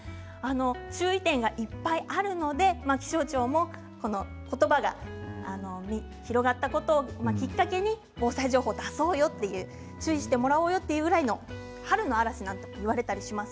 注意点が、いっぱいあるので気象庁もこの言葉が広がったことをきっかけに防災情報を出そうよと注意してもらおうよという春の嵐なんて言われたりします。